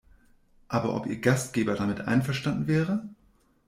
Aber ob ihr Gastgeber damit einverstanden wäre?